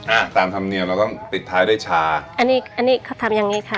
อ่ะตามธรรมเนียมเราต้องปิดท้ายด้วยชาอันนี้อันนี้เขาทำอย่างงี้ค่ะ